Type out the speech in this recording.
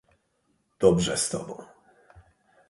"dobrze z tobą."